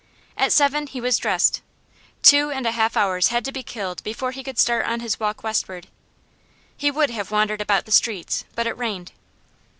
At seven he was dressed; two hours and a half had to be killed before he could start on his walk westward. He would have wandered about the streets, but it rained.